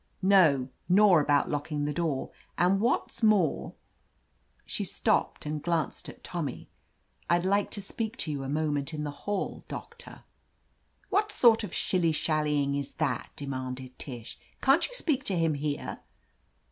"No, nor about locking the door. And what's more —" She stopped and glanced at Tommy. "I'd like to speak to you a moment in the hall, Doctor." "What sort of shilly shallying is that?" de manded Tish. "Can't you speak to him here